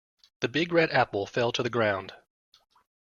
The big red apple fell to the ground.